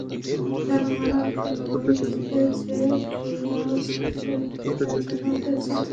জনমানবহীন ভূমি থেকে যে ক্ষীণ আওয়াজ আসছে তা যেন পরিচিত।